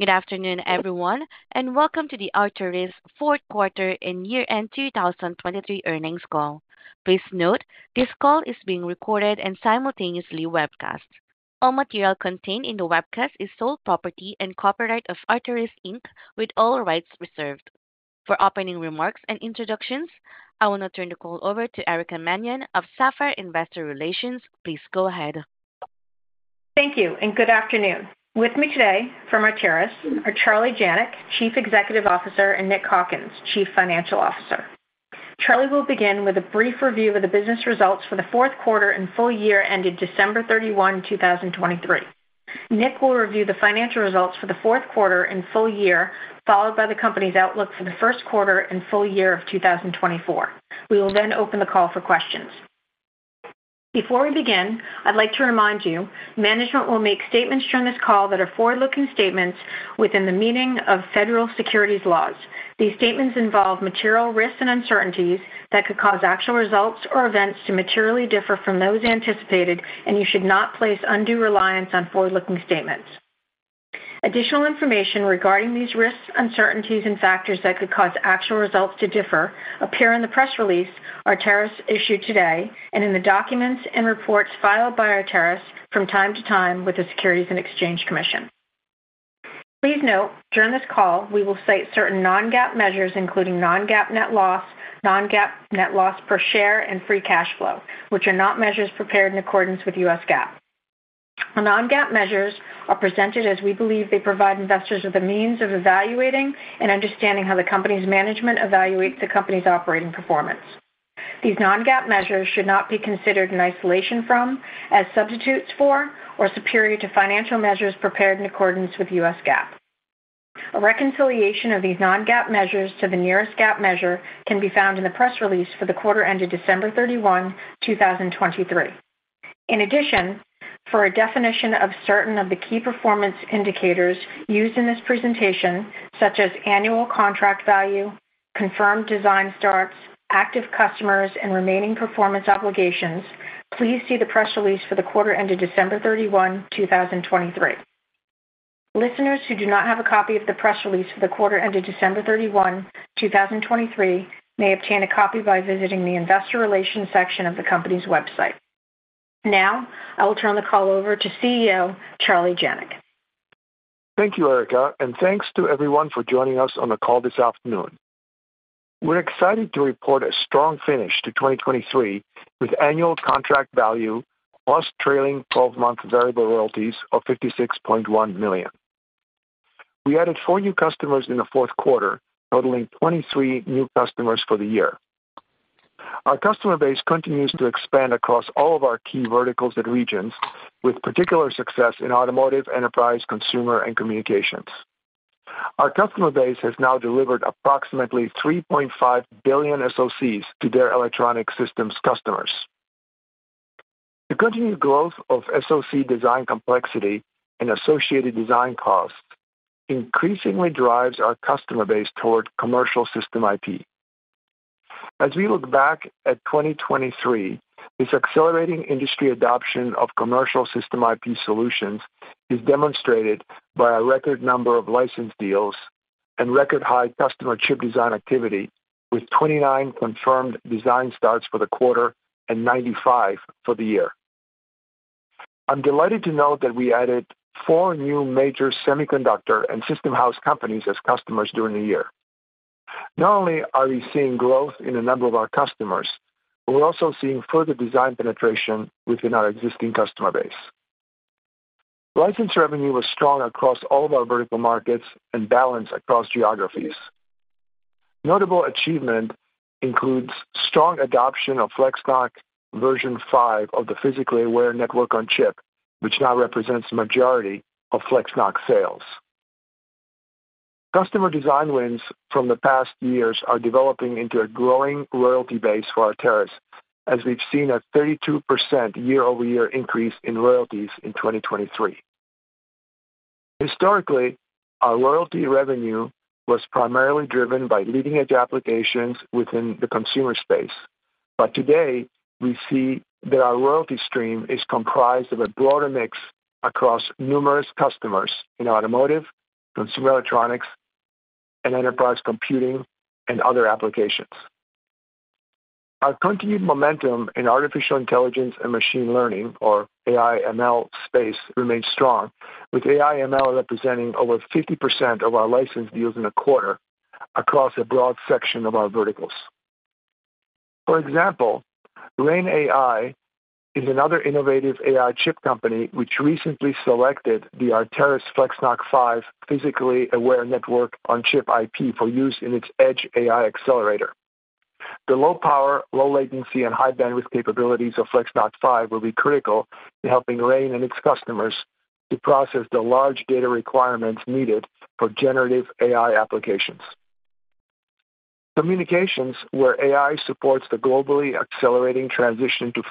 Good afternoon, everyone, and welcome to the Arteris fourth quarter and year-end 2023 earnings call. Please note this call is being recorded and simultaneously webcast. All material contained in the webcast is sole property and copyright of Arteris Inc with all rights reserved. For opening remarks and introductions, I want to turn the call over to Erica Mannion of Sapphire Investor Relations. Please go ahead. Thank you, and good afternoon. With me today from Arteris are Charlie Janac, Chief Executive Officer, and Nick Hawkins, Chief Financial Officer. Charlie will begin with a brief review of the business results for the fourth quarter and full year ended December 31, 2023. Nick will review the financial results for the fourth quarter and full year, followed by the company's outlook for the first quarter and full year of 2024. We will then open the call for questions. Before we begin, I'd like to remind you management will make statements during this call that are forward-looking statements within the meaning of federal securities laws. These statements involve material risks and uncertainties that could cause actual results or events to materially differ from those anticipated, and you should not place undue reliance on forward-looking statements. Additional information regarding these risks, uncertainties, and factors that could cause actual results to differ appear in the press release Arteris issued today and in the documents and reports filed by Arteris from time to time with the Securities and Exchange Commission. Please note during this call we will cite certain non-GAAP measures including non-GAAP net loss, non-GAAP net loss per share, and free cash flow, which are not measures prepared in accordance with U.S. GAAP. The non-GAAP measures are presented as we believe they provide investors with a means of evaluating and understanding how the company's management evaluates the company's operating performance. These non-GAAP measures should not be considered in isolation from, as substitutes for, or superior to financial measures prepared in accordance with U.S. GAAP. A reconciliation of these non-GAAP measures to the nearest GAAP measure can be found in the press release for the quarter ended December 31, 2023. In addition, for a definition of certain of the key performance indicators used in this presentation, such as annual contract value, confirmed design starts, active customers, and remaining performance obligations, please see the press release for the quarter ended December 31, 2023. Listeners who do not have a copy of the press release for the quarter ended December 31, 2023, may obtain a copy by visiting the Investor Relations section of the company's website. Now I will turn the call over to CEO Charlie Janac. Thank you, Erica, and thanks to everyone for joining us on the call this afternoon. We're excited to report a strong finish to 2023 with annual contract value plus trailing 12-month variable royalties of $56.1 million. We added four new customers in the fourth quarter, totaling 23 new customers for the year. Our customer base continues to expand across all of our key verticals and regions, with particular success in automotive, enterprise, consumer, and communications. Our customer base has now delivered approximately 3.5 billion SoCs to their electronic systems customers. The continued growth of SoC design complexity and associated design costs increasingly drives our customer base toward commercial system IP. As we look back at 2023, this accelerating industry adoption of commercial system IP solutions is demonstrated by a record number of license deals and record high customer chip design activity, with 29 confirmed design starts for the quarter and 95 for the year. I'm delighted to note that we added four new major semiconductor and system house companies as customers during the year. Not only are we seeing growth in a number of our customers, but we're also seeing further design penetration within our existing customer base. License revenue was strong across all of our vertical markets and balanced across geographies. Notable achievement includes strong adoption of FlexNoC 5 of the physically aware network-on-chip, which now represents the majority of FlexNoC sales. Customer design wins from the past years are developing into a growing royalty base for Arteris, as we've seen a 32% year-over-year increase in royalties in 2023. Historically, our royalty revenue was primarily driven by leading-edge applications within the consumer space, but today we see that our royalty stream is comprised of a broader mix across numerous customers in automotive, consumer electronics, and enterprise computing and other applications. Our continued momentum in artificial intelligence and machine learning, or AI/ML, space remains strong, with AI/ML representing over 50% of our license deals in a quarter across a broad section of our verticals. For example, Rain AI is another innovative AI chip company which recently selected the Arteris FlexNoC 5 physically aware network-on-chip IP for use in its edge AI accelerator. The low-power, low-latency, and high-bandwidth capabilities of FlexNoC 5 will be critical in helping Rain and its customers to process the large data requirements needed for generative AI applications. Communications, where AI supports the globally accelerating transition to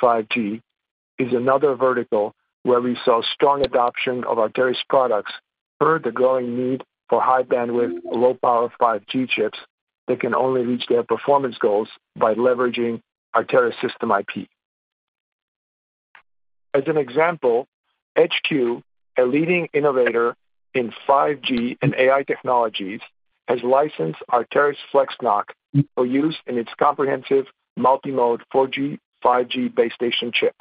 5G, is another vertical where we saw strong adoption of Arteris products per the growing need for high-bandwidth, low-power 5G chips that can only reach their performance goals by leveraging Arteris system IP. As an example, EdgeQ, a leading innovator in 5G and AI technologies, has licensed Arteris FlexNoC for use in its comprehensive multimode 4G/5G base station chip.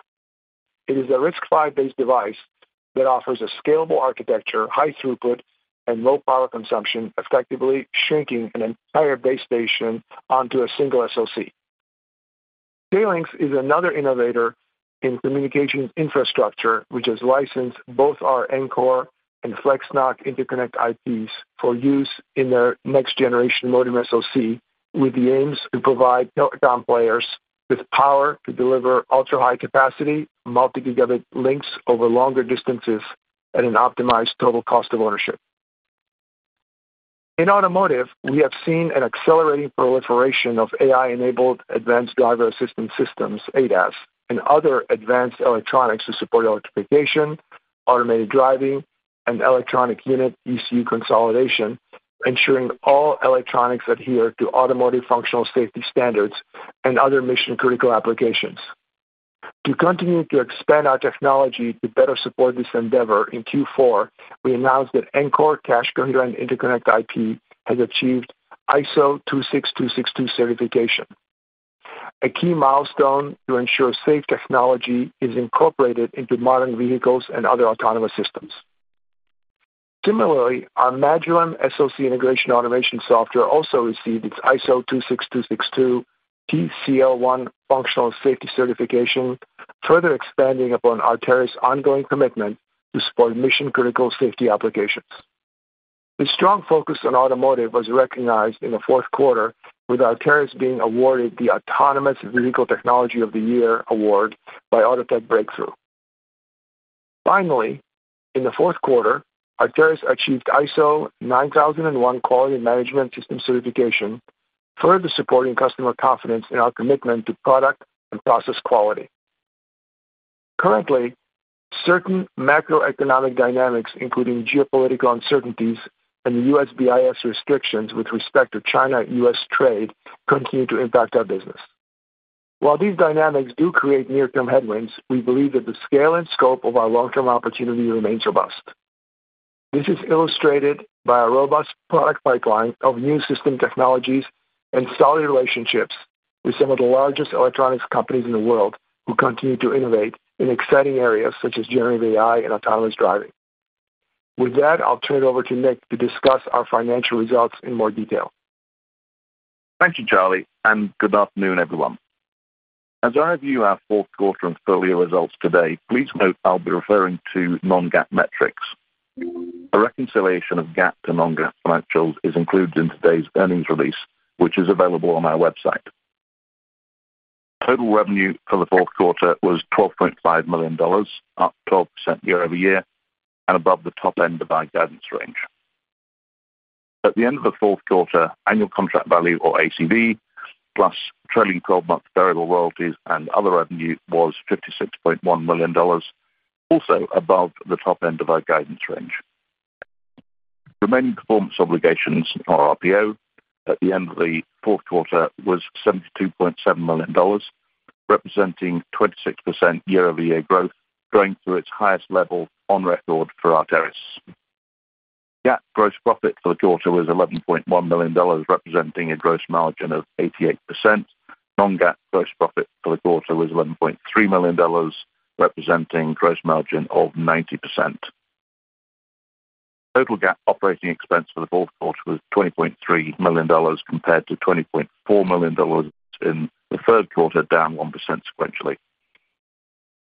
It is a RISC-V-based device that offers a scalable architecture, high throughput, and low-power consumption, effectively shrinking an entire base station onto a single SoC. TCL is another innovator in communications infrastructure, which has licensed both our Ncore and FlexNoC interconnect IPs for use in their next generation modem SoC, with the aims to provide telecom players with power to deliver ultra-high capacity, multi-gigabit links over longer distances, at an optimized total cost of ownership. In automotive, we have seen an accelerating proliferation of AI-enabled advanced driver assistance systems, ADAS, and other advanced electronics to support electrification, automated driving, and electronic control unit ECU consolidation, ensuring all electronics adhere to automotive functional safety standards and other mission-critical applications. To continue to expand our technology to better support this endeavor, in Q4, we announced that Ncore cache coherent interconnect IP has achieved ISO 26262 certification, a key milestone to ensure safe technology is incorporated into modern vehicles and other autonomous systems. Similarly, our Magellan SoC integration automation software also received its ISO 26262 TCL1 functional safety certification, further expanding upon Arteris' ongoing commitment to support mission-critical safety applications. This strong focus on automotive was recognized in the fourth quarter, with Arteris being awarded the Autonomous Vehicle Technology of the Year award by Autotech Breakthrough. Finally, in the fourth quarter, Arteris achieved ISO 9001 quality management system certification, further supporting customer confidence in our commitment to product and process quality. Currently, certain macroeconomic dynamics, including geopolitical uncertainties and the U.S. BIS restrictions with respect to China-U.S. trade, continue to impact our business. While these dynamics do create near-term headwinds, we believe that the scale and scope of our long-term opportunity remains robust. This is illustrated by a robust product pipeline of new system technologies and solid relationships with some of the largest electronics companies in the world, who continue to innovate in exciting areas such as generative AI and autonomous driving. With that, I'll turn it over to Nick to discuss our financial results in more detail. Thank you, Charlie, and good afternoon, everyone. As I review our fourth quarter and earlier results today, please note I'll be referring to non-GAAP metrics. A reconciliation of GAAP to non-GAAP financials is included in today's earnings release, which is available on our website. Total revenue for the fourth quarter was $12.5 million, up 12% year-over-year and above the top-end of our guidance range. At the end of the fourth quarter, annual contract value, or ACV, plus trailing 12-month variable royalties and other revenue, was $56.1 million, also above the top-end of our guidance range. Remaining performance obligations, or RPO, at the end of the fourth quarter was $72.7 million, representing 26% year-over-year growth, going through its highest level on record for Arteris. GAAP gross profit for the quarter was $11.1 million, representing a gross margin of 88%. Non-GAAP gross profit for the quarter was $11.3 million, representing a gross margin of 90%. Total GAAP operating expense for the fourth quarter was $20.3 million, compared to $20.4 million in the third quarter, down 1% sequentially.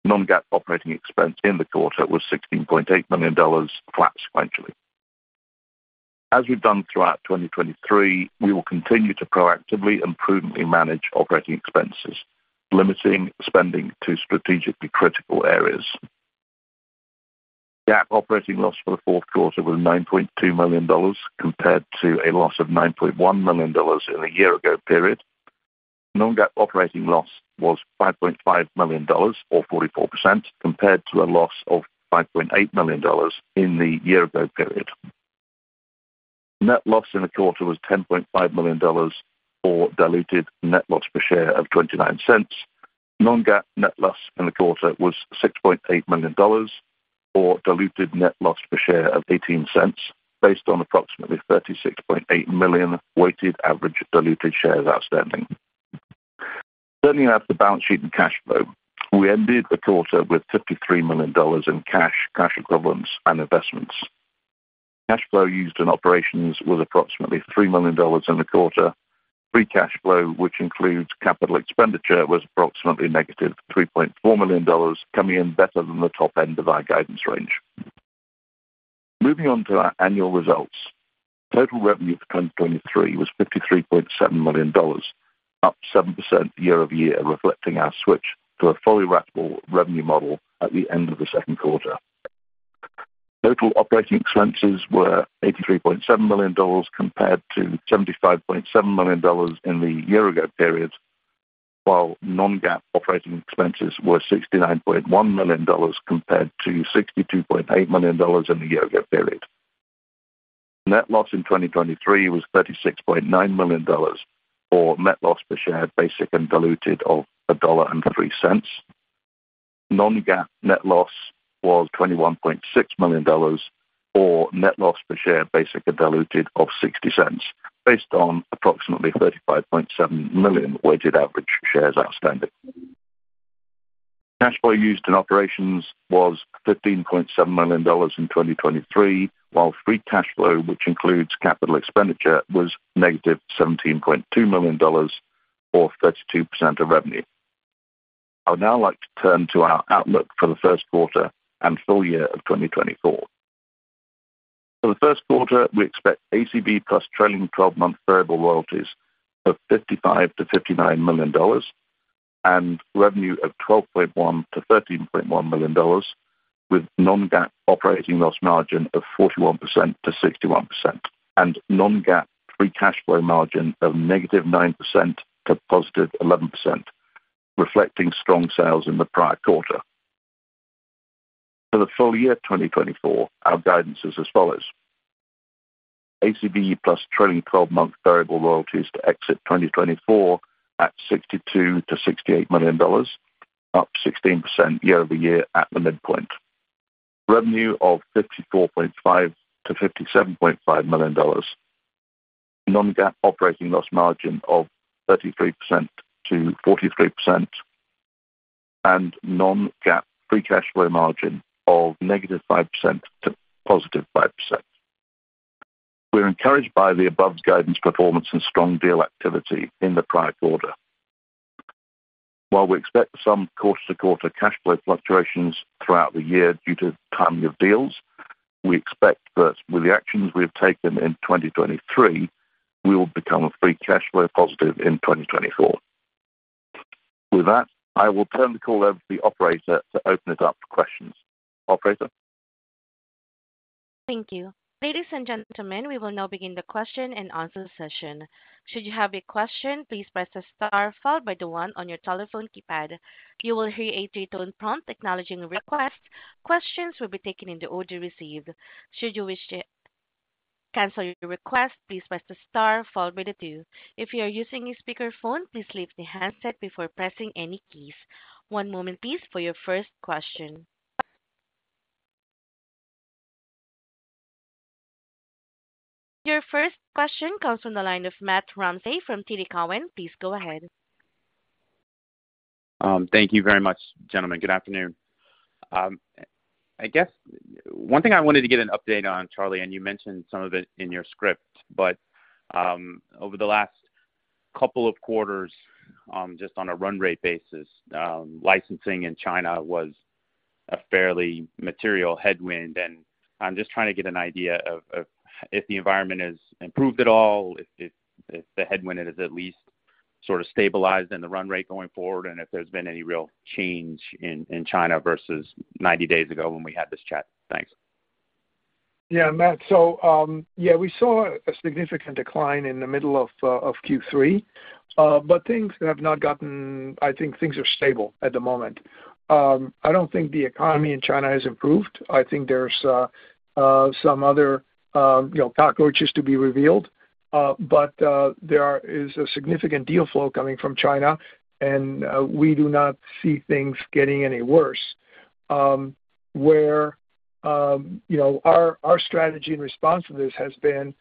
Non-GAAP operating expense in the quarter was $16.8 million, flat sequentially. As we've done throughout 2023, we will continue to proactively and prudently manage operating expenses, limiting spending to strategically critical areas. GAAP operating loss for the fourth quarter was $9.2 million, compared to a loss of $9.1 million in the year-ago period. Non-GAAP operating loss was $5.5 million, or 44%, compared to a loss of $5.8 million in the year-ago period. Net loss in the quarter was $10.5 million, or diluted net loss per share of $0.29. Non-GAAP net loss in the quarter was $6.8 million, or diluted net loss per share of $0.18, based on approximately 36.8 million weighted average diluted shares outstanding. Turning out the balance sheet and cash flow. We ended the quarter with $53 million in cash, cash equivalents, and investments. Cash flow used in operations was approximately $3 million in the quarter. Free cash flow, which includes capital expenditure, was approximately -$3.4 million, coming in better than the top-end of our guidance range. Moving on to our annual results. Total revenue for 2023 was $53.7 million, up 7% year-over-year, reflecting our switch to a fully ratable revenue model at the end of the second quarter. Total operating expenses were $83.7 million, compared to $75.7 million in the year-ago period, while non-GAAP operating expenses were $69.1 million, compared to $62.8 million in the year-ago period. Net loss in 2023 was $36.9 million, or net loss per share basic and diluted of $1.03. Non-GAAP net loss was $21.6 million, or net loss per share basic and diluted of $0.60, based on approximately 35.7 million weighted average shares outstanding. Cash flow used in operations was $15.7 million in 2023, while free cash flow, which includes capital expenditure, was negative $17.2 million, or 32% of revenue. I would now like to turn to our outlook for the first quarter and full year of 2024. For the first quarter, we expect ACV plus trailing 12-month variable royalties of $55 million-$59 million, and revenue of $12.1 million-$13.1 million, with non-GAAP operating loss margin of 41%-61%, and non-GAAP free cash flow margin of -9% to +11%, reflecting strong sales in the prior quarter. For the full-year 2024, our guidance is as follows: ACV plus trailing 12-month variable royalties to exit 2024 at $62 million-$68 million, up 16% year-over-year at the midpoint. Revenue of $54.5 million-$57.5 million. Non-GAAP operating loss margin of 33%-43% and non-GAAP free cash flow margin of -5% to +5%. We are encouraged by the above guidance performance and strong deal activity in the prior quarter. While we expect some quarter-to-quarter cash flow fluctuations throughout the year due to timing of deals, we expect that with the actions we have taken in 2023, we will become free cash flow positive in 2024. With that, I will turn the call over to the operator to open it up to questions. Operator? Thank you. Ladies and gentlemen, we will now begin the question-and-answer session. Should you have a question, please press the star followed by the one on your telephone keypad. You will hear a three-tone prompt acknowledging a request. Questions will be taken in the order received. Should you wish to cancel your request, please press the star followed by the two. If you are using a speakerphone, please leave the handset before pressing any keys. One moment, please, for your first question. Your first question comes from the line of Matt Ramsay from TD Cowen. Please go ahead. Thank you very much, gentlemen. Good afternoon. I guess one thing I wanted to get an update on, Charlie, and you mentioned some of it in your script, but over the last couple of quarters, just on a run-rate basis, licensing in China was a fairly material headwind. I'm just trying to get an idea of if the environment has improved at all, if the headwind is at least sort of stabilized in the run rate going forward, and if there's been any real change in China versus 90 days ago when we had this chat. Thanks. Yeah, Matt. So yeah, we saw a significant decline in the middle of Q3, but things have not gotten, I think things are stable at the moment. I don't think the economy in China has improved. I think there's some other cockroaches to be revealed. But there is a significant deal flow coming from China, and we do not see things getting any worse. Where our strategy in response to this has been,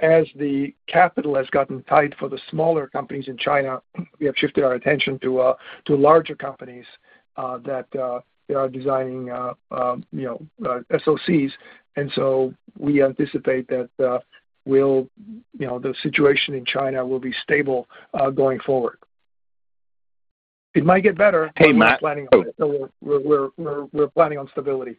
as the capital has gotten tight for the smaller companies in China, we have shifted our attention to larger companies that are designing SoCs. And so we anticipate that the situation in China will be stable going forward. It might get better, but we're planning on we're planning on stability.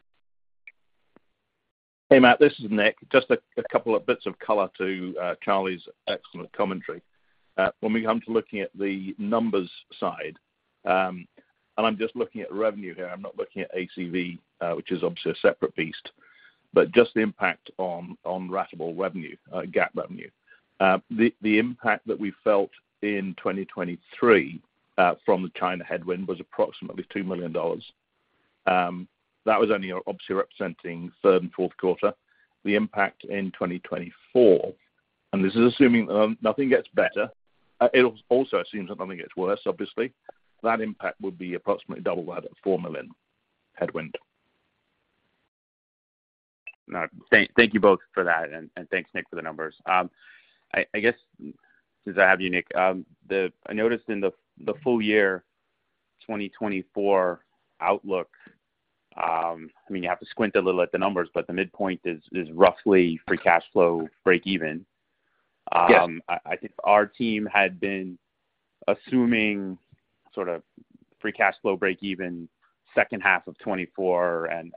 Hey, Matt. This is Nick. Just a couple of bits of color to Charlie's excellent commentary. When we come to looking at the numbers side and I'm just looking at revenue here. I'm not looking at ACV, which is obviously a separate beast, but just the impact on ratable revenue, GAAP revenue. The impact that we felt in 2023 from the China headwind was approximately $2 million. That was only obviously representing third and fourth quarter. The impact in 2024, and this is assuming that nothing gets better. It also assumes that nothing gets worse, obviously. That impact would be approximately double that at $4 million headwind. No. Thank you both for that. And thanks, Nick, for the numbers. I guess since I have you, Nick, I noticed in the full-year 2024 outlook I mean, you have to squint a little at the numbers, but the midpoint is roughly free cash flow break-even. I think our team had been assuming sort of free cash flow break-even second half of 2024 and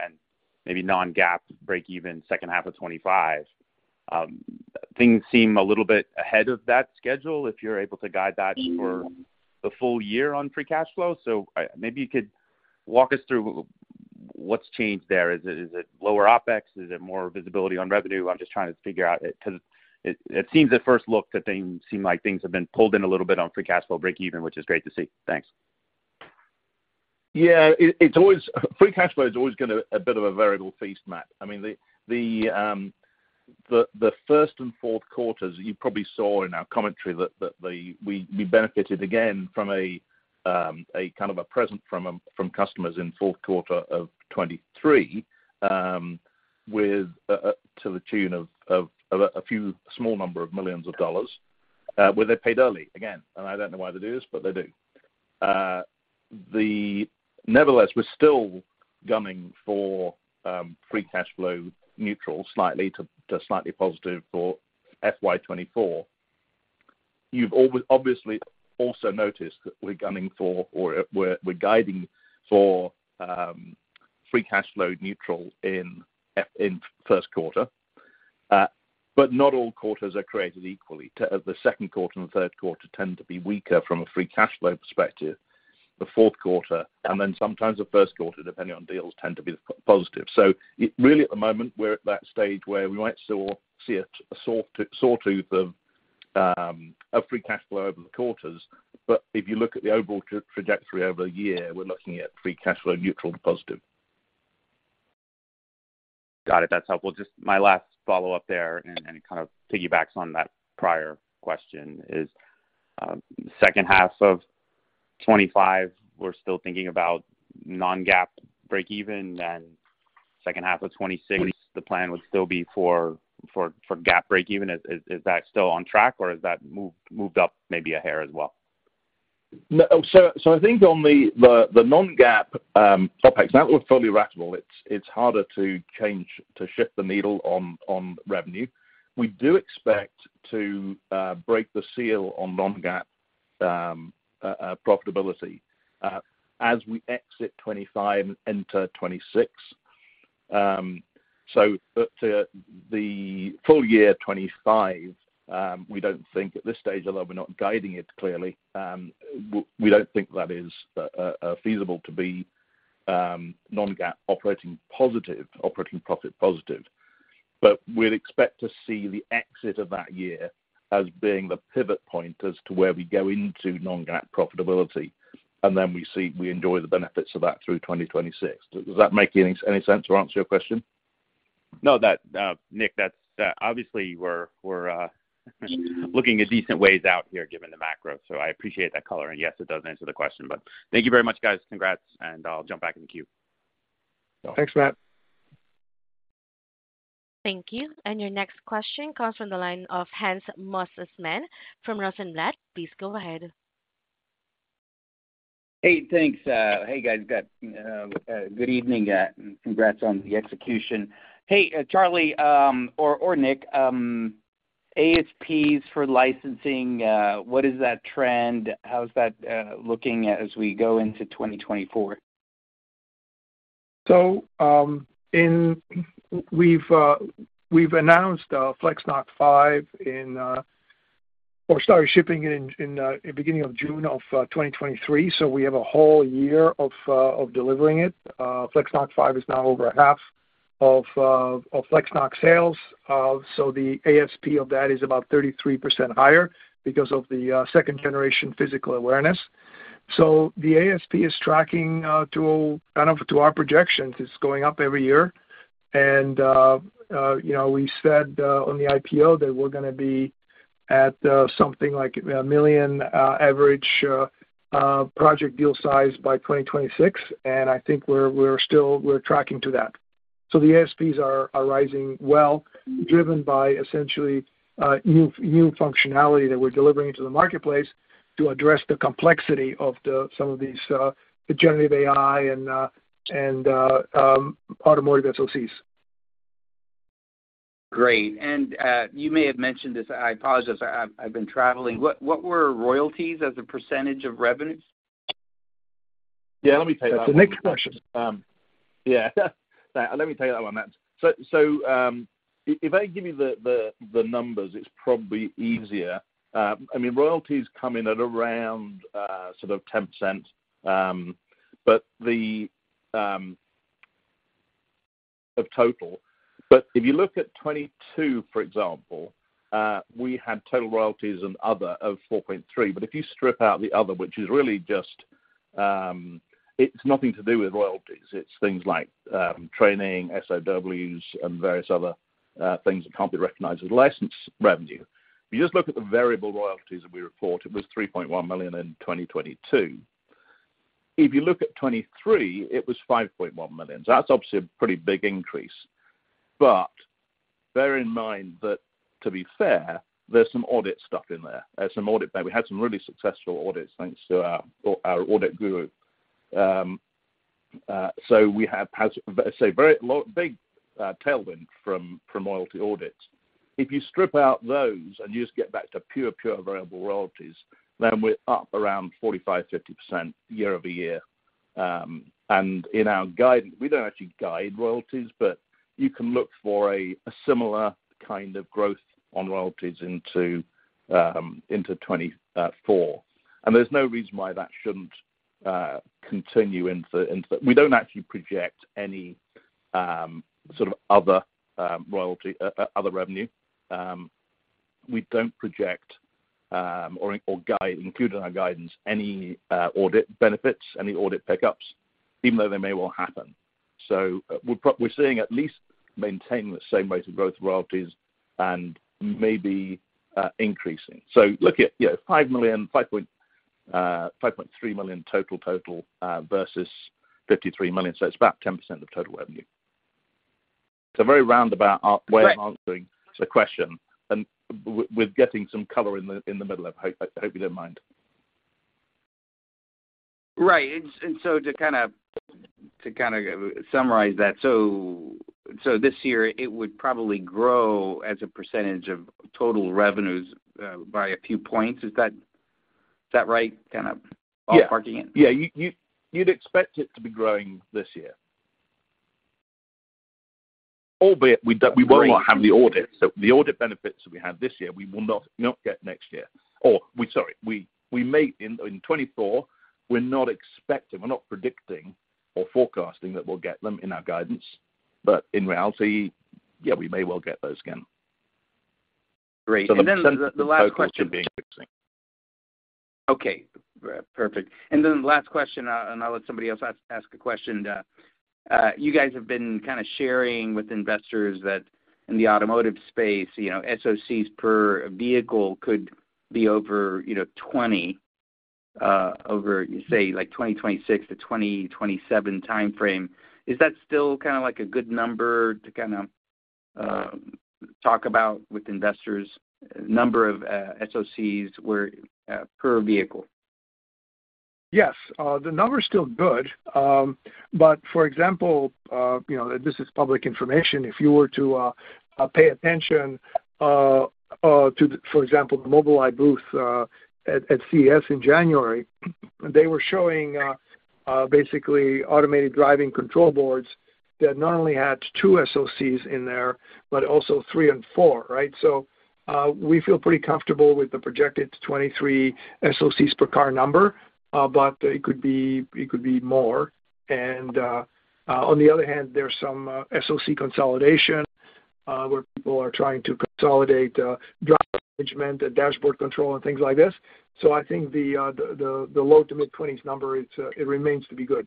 maybe non-GAAP break-even second half of 2025. Things seem a little bit ahead of that schedule, if you're able to guide that for the full year on free cash flow. So maybe you could walk us through what's changed there. Is it lower OpEx? Is it more visibility on revenue? I'm just trying to figure out it because it seems at first look that things seem like things have been pulled in a little bit on free cash flow break-even, which is great to see. Thanks. Yeah. Free cash flow is always going to a bit of a variable feast, Matt. I mean, the first and fourth quarters you probably saw in our commentary that we benefited again from a kind of a present from customers in fourth quarter of 2023 to the tune of a small number of millions of dollars, where they paid early, again. And I don't know why they do this, but they do. Nevertheless, we're still gunning for free cash flow neutral, slightly to slightly positive for FY 2024. You've obviously also noticed that we're guiding for free cash flow neutral in first quarter. Not all quarters are created equally. The second quarter and third quarter tend to be weaker from a free cash flow perspective. The fourth quarter and then sometimes the first quarter, depending on deals, tend to be positive. Really, at the moment, we're at that stage where we might see a sawtooth of free cash flow over the quarters. But if you look at the overall trajectory over the year, we're looking at free cash flow neutral to positive. Got it. That's helpful. Just my last follow-up there and kind of piggybacks on that prior question is, second half of 2025, we're still thinking about non-GAAP break-even, then second half of 2026. The plan would still be for GAAP break-even. Is that still on track, or has that moved up maybe a hair as well? So I think on the non-GAAP OpEx now that we're fully ratable, it's harder to shift the needle on revenue. We do expect to break the seal on non-GAAP profitability as we exit 2025 and enter 2026. So the full-year 2025, we don't think at this stage, although we're not guiding it clearly, we don't think that is feasible to be non-GAAP operating profit positive. But we'd expect to see the exit of that year as being the pivot point as to where we go into non-GAAP profitability, and then we enjoy the benefits of that through 2026. Does that make any sense or answer your question? No, Nick, obviously, we're looking at decent ways out here given the macro. So I appreciate that color. And yes, it does answer the question. But thank you very much, guys. Congrats. And I'll jump back in the queue. Thanks, Matt. Thank you. Your next question comes from the line of Hans Mosesmann from Rosenblatt. Please go ahead. Hey, thanks. Hey, guys. Good evening and congrats on the execution. Hey, Charlie or Nick, ASPs for licensing, what is that trend? How's that looking as we go into 2024? So we've announced FlexNoC 5 or started shipping it in the beginning of June of 2023. So we have a whole year of delivering it. FlexNoC 5 is now over half of FlexNoC sales. So the ASP of that is about 33% higher because of the second-generation physical awareness. So the ASP is tracking kind of to our projections. It's going up every year. And we said on the IPO that we're going to be at something like $1 million average project deal size by 2026. And I think we're tracking to that. So the ASPs are rising well, driven by essentially new functionality that we're delivering into the marketplace to address the complexity of some of these generative AI and automotive SoCs. Great. And you may have mentioned this. I apologize. I've been traveling. What were royalties as a percentage of revenues? Yeah. Let me tell you that one. That's the next question. Yeah. Let me tell you that one, Matt. So if I give you the numbers, it's probably easier. I mean, royalties come in at around sort of 10% of total. But if you look at 2022, for example, we had total royalties and other of $4.3 million. But if you strip out the other, which is really just it's nothing to do with royalties. It's things like training, SOWs, and various other things that can't be recognized as license revenue. If you just look at the variable royalties that we report, it was $3.1 million in 2022. If you look at 2023, it was $5.1 million. So that's obviously a pretty big increase. But bear in mind that, to be fair, there's some audit stuff in there. There's some audit we had some really successful audits thanks to our audit guru. So we have, say, a big tailwind from royalty audits. If you strip out those and you just get back to pure, pure variable royalties, then we're up around 45%-50% year-over-year. And in our guidance we don't actually guide royalties, but you can look for a similar kind of growth on royalties into 2024. And there's no reason why that shouldn't continue into we don't actually project any sort of other revenue. We don't project or include, in our guidance, any audit benefits, any audit pickups, even though they may well happen. So we're seeing at least maintaining the same rate of growth royalties and maybe increasing. So look at $5.3 million total, total versus $53 million. So it's about 10% of total revenue. It's a very roundabout way of answering the question and with getting some color in the middle of it. I hope you don't mind. Right. And so to kind of summarize that, so this year, it would probably grow as a percentage of total revenues by a few points. Is that right, kind of all-parking it? Yeah. Yeah. You'd expect it to be growing this year, albeit we will not have the audit. So the audit benefits that we had this year, we will not get next year. Or sorry, in 2024, we're not expecting we're not predicting or forecasting that we'll get them in our guidance. But in reality, yeah, we may well get those again. Great. Then the last question. So the total should be increasing. Okay. Perfect. And then the last question, and I'll let somebody else ask a question. You guys have been kind of sharing with investors that in the automotive space, SoCs per vehicle could be over 20 over, say, 2026-2027 timeframe. Is that still kind of a good number to kind of talk about with investors, number of SoCs per vehicle? Yes. The number's still good. But for example, this is public information. If you were to pay attention to, for example, the Mobileye booth at CES in January, they were showing basically automated driving control boards that not only had two SoCs in there, but also three and four, right? So we feel pretty comfortable with the projected 23 SoCs per car number, but it could be more. And on the other hand, there's some SoC consolidation where people are trying to consolidate driver management, dashboard control, and things like this. So I think the low- to mid-20s number, it remains to be good.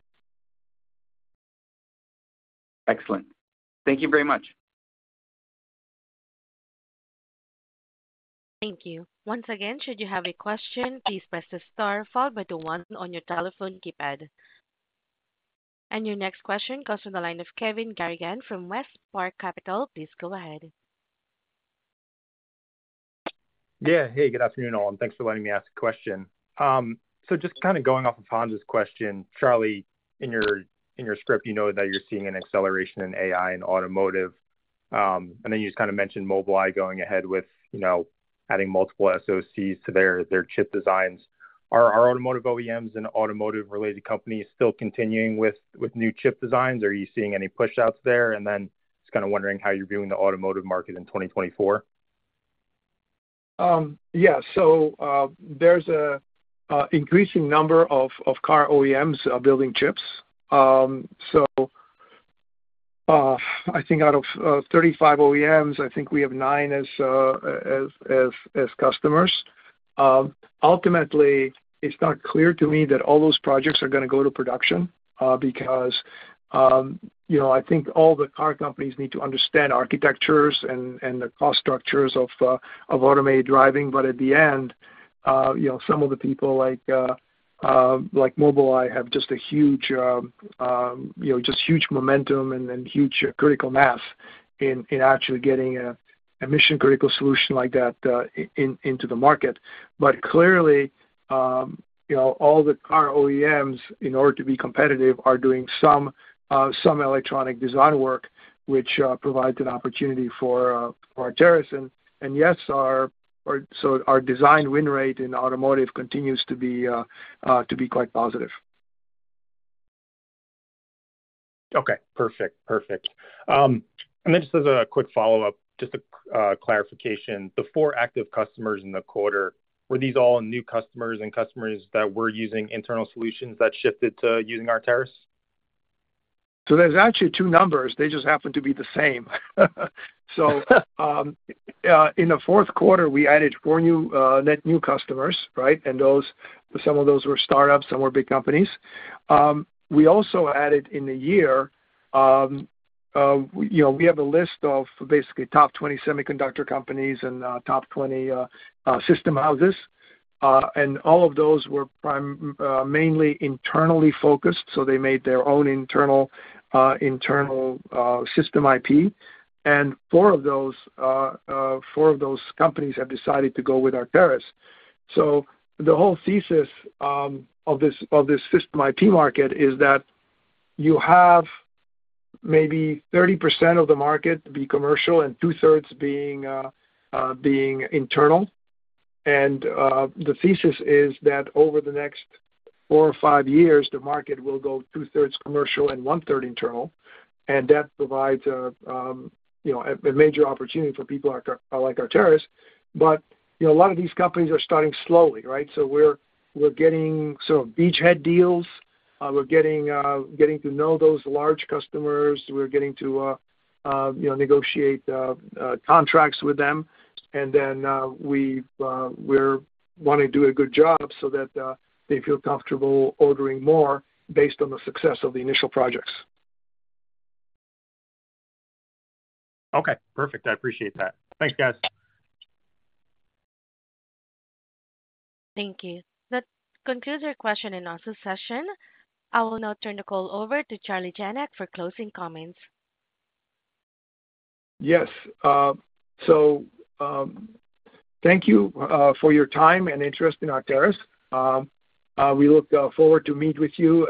Excellent. Thank you very much. Thank you. Once again, should you have a question, please press the star followed by the one on your telephone keypad. And your next question comes from the line of Kevin Garrigan from WestPark Capital. Please go ahead. Yeah. Hey, good afternoon, all. Thanks for letting me ask a question. So just kind of going off of Hans's question, Charlie, in your script, you know that you're seeing an acceleration in AI and automotive. And then you just kind of mentioned Mobileye going ahead with adding multiple SoCs to their chip designs. Are automotive OEMs and automotive-related companies still continuing with new chip designs? Are you seeing any push-outs there? And then just kind of wondering how you're viewing the automotive market in 2024? Yeah. So there's an increasing number of car OEMs building chips. So I think out of 35 OEMs, I think we have nine as customers. Ultimately, it's not clear to me that all those projects are going to go to production because I think all the car companies need to understand architectures and the cost structures of automated driving. But at the end, some of the people like Mobileye have just a huge momentum and huge critical mass in actually getting a mission-critical solution like that into the market. But clearly, all the car OEMs, in order to be competitive, are doing some electronic design work, which provides an opportunity for Arteris. And yes, so our design win rate in automotive continues to be quite positive. Okay. Perfect. Perfect. And then just as a quick follow-up, just a clarification. The four active customers in the quarter, were these all new customers and customers that were using internal solutions that shifted to using Arteris? So there's actually two numbers. They just happen to be the same. So in the fourth quarter, we added four net new customers, right? And some of those were startups. Some were big companies. We also added in the year we have a list of basically top 20 semiconductor companies and top 20 system houses. And all of those were mainly internally focused. So they made their own internal system IP. And four of those companies have decided to go with Arteris. So the whole thesis of this system IP market is that you have maybe 30% of the market to be commercial and two-thirds being internal. And the thesis is that over the next four orfive5 years, the market will go two-thirds commercial and one-third internal. And that provides a major opportunity for people like Arteris. But a lot of these companies are starting slowly, right? We're getting sort of beachhead deals. We're getting to know those large customers. We're getting to negotiate contracts with them. And then we're wanting to do a good job so that they feel comfortable ordering more based on the success of the initial projects. Okay. Perfect. I appreciate that. Thanks, guys. Thank you. That concludes our question-and-answer session. I will now turn the call over to Charlie Janac for closing comments. Yes. Thank you for your time and interest in Arteris. We look forward to meeting with you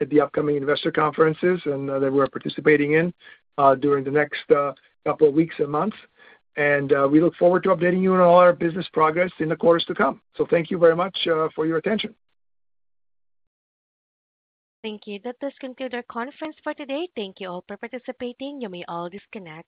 at the upcoming investor conferences that we're participating in during the next couple of weeks and months. We look forward to updating you on all our business progress in the quarters to come. Thank you very much for your attention. Thank you. That does conclude our conference for today. Thank you all for participating. You may all disconnect.